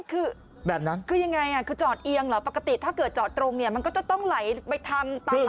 คือยังไงจอดเอียงเหรอปกติถ้าเกิดจอดตรงมันก็จะต้องไหลไปทางหลายทาง